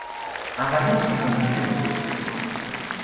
Aramis fit un signe de tête.